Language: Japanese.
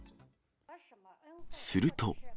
すると。